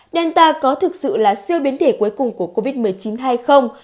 delta có thực sự là siêu biến thể cuối cùng của covid một mươi chín hay không